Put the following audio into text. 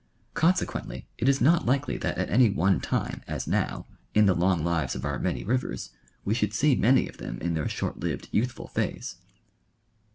Consequently, it is not likely that at any one time, as now, in the long lives of our many rivers, we should see many of them in their short lived youthful phase.